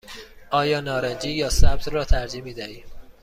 آیا نارنجی یا سبز را ترجیح می دهی؟